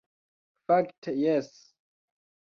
Fakte jes!